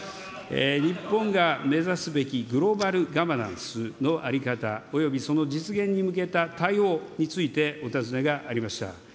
日本が目指すべきグローバルガバナンスの在り方およびその実現に向けた対応についてお尋ねがありました。